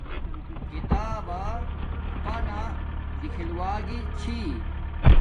کتابا پنا دیکھل وگی چھی